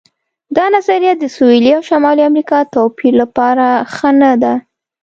دا نظریه د سویلي او شمالي امریکا د توپیر لپاره ښه نه ده.